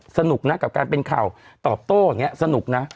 สนุกนะกับการเป็นข่าวตอบโต้อย่างนี้สนุกนะ